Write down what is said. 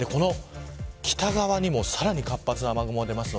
北側にもさらに活発な雨雲が出ます。